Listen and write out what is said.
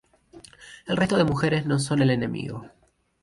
El resto de mujeres no son el enemigo.